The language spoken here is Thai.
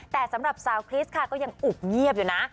แต่สำหรับสาวคริสค่ะก็ยังอุบเงียบอยู่นะ